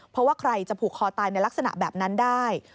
เพราะว่าใครจะผูกคอตายในลักษณะแบบนั้นได้